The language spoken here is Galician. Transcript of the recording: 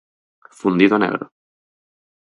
Fundido a negro.